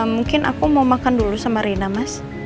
mungkin aku mau makan dulu sama rina mas